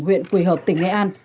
huyện quỳ hợp tỉnh nghệ an